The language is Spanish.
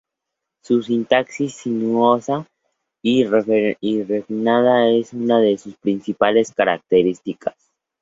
Su sintaxis sinuosa y refinada es una de sus principales características.